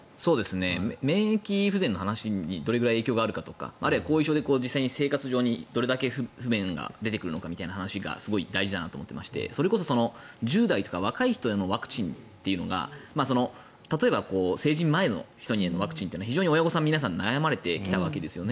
免疫不全の話にどれくらい影響があるかとかあるいは後遺症で実際に生活にどれだけ不便が出てくるのかという話がすごい大事だなと思っていましてそれこそ１０代とか若い人へのワクチンというのが例えば成人前の人のワクチンっていうのは非常に親御さんの皆さん悩まれてきたわけですよね。